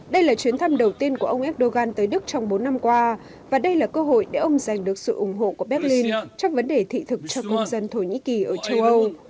đây là chuyến thăm đầu tiên của ông erdogan tới đức trong bốn năm qua và đây là cơ hội để ông giành được sự ủng hộ của berlin trong vấn đề thị thực cho công dân thổ nhĩ kỳ ở châu âu